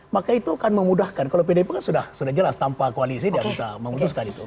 maka itu akan memudahkan kalau pdip kan sudah jelas tanpa koalisi dia bisa memutuskan itu